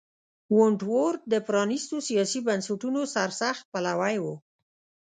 ونټ ورت د پرانیستو سیاسي بنسټونو سرسخت پلوی و.